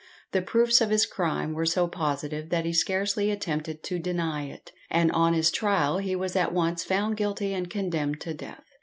The proofs of his crime were so positive that he scarcely attempted to deny it, and on his trial he was at once found guilty and condemned to death.